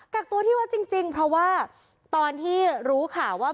กักตัวที่วัดจริงเพราะว่าตอนที่รู้ข่าวว่า